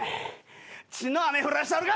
血の雨降らしたるか。